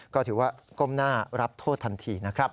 ก็ถือว่าก้มหน้ารับโทษทันทีนะครับ